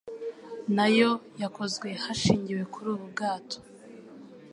nayo yakozwe hashingiwe kuri ubu bwato,